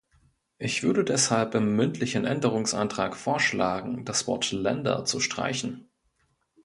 Ich würde deshalb im mündlichen Änderungsantrag vorschlagen, das Wort "Länder" zu streichen.